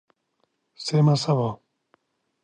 Ser massa bo.